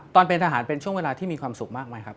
ตอนเป็นทหารเป็นช่วงเวลาที่มีความสุขมากไหมครับ